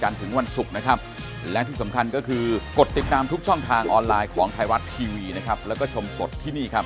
ออนไลน์ของไทยรัฐทีวีนะครับแล้วก็ชมสดที่นี่ครับ